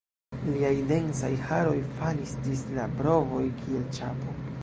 Liaj densaj haroj falis ĝis la brovoj, kiel ĉapo.